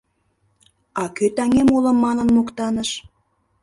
— А кӧ таҥем уло манын моктаныш?